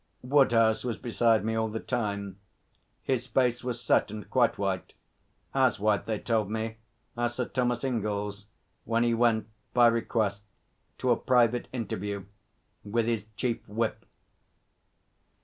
Woodhouse was beside me all the time. His face was set and quite white as white, they told me, as Sir Thomas Ingell's when he went, by request, to a private interview with his Chief Whip.